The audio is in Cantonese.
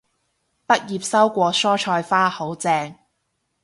畢業收過蔬菜花，好正